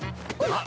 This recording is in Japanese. あっ。